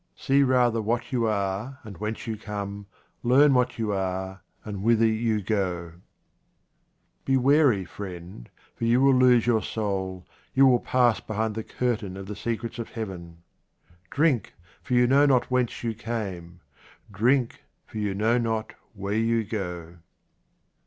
See rather what you are and whence you come, learn what you are and whither you go Be wary, friend, for you will lose your soul, you will pass behind the curtain of the secrets of Heaven. Drink, for you know not whence you came. Drink, for you know not where you go.